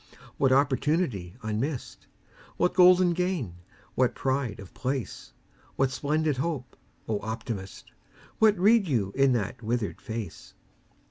What opportunity unmissed? What golden gain, what pride of place? What splendid hope? O Optimist! What read you in that withered face?